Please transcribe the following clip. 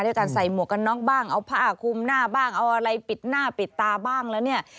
การใส่หมวกกันน็อกบ้างเอาผ้าคุมหน้าบ้างเอาอะไรปิดหน้าปิดตาบ้างแล้วเนี่ย